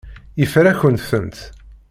Yeffer-akent-tent.